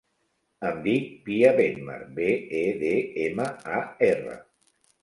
Em dic Pia Bedmar: be, e, de, ema, a, erra.